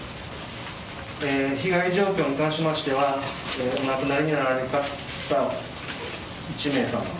被害状況に関しましてはお亡くなりになられた方、１名様。